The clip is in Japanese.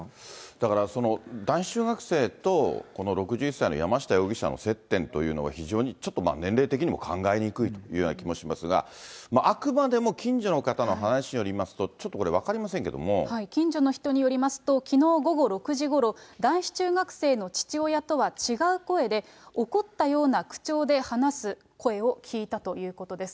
だから、男子中学生と、この６１歳の山下容疑者の接点というのが非常にちょっとまあ、年齢的にも考えにくいというような気もしますが、あくまでも近所の方の話によりますと、ちょっとこれ、近所の人によりますと、きのう午後６時ごろ、男子中学生の父親とは違う声で、怒ったような口調で話す声を聞いたということです。